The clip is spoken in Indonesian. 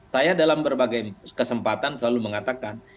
saya dalam berbagai kesempatan selalu mengatakan